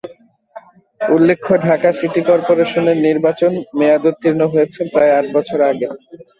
উল্লেখ্য, ঢাকা সিটি করপোরেশনের নির্বাচন মেয়াদোত্তীর্ণ হয়েছে প্রায় আট বছর আগে।